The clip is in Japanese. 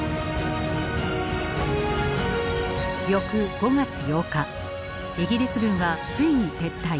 翌５月８日イギリス軍はついに撤退。